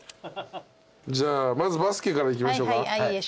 じゃあまずバスケからいきましょうか。